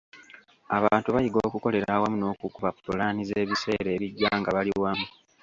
Abantu bayiga okukolera awamu n’okukuba pulaani z’ebiseera ebijja nga bali wamu.